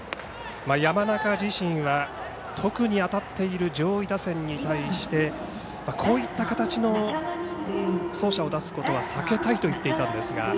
山中自身は特に当たっている上位打線に対してこういった形の走者を出すことは避けたいと言っていたんですが。